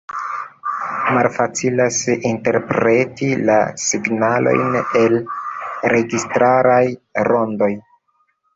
Malfacilas interpreti la “signalojn el registaraj rondoj.